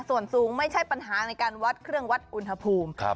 ส่วนสูงไม่ใช่ปัญหาในการวัดเครื่องวัดอุณหภูมิ